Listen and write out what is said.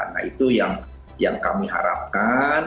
nah itu yang kami harapkan